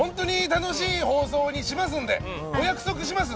本当に楽しい放送にしますんでお約束します。